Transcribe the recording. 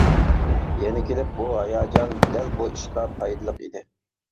يەنە كېلىپ بۇ ھاياجان دەل بۇ ئىشقا پايدىلىق ئىدى.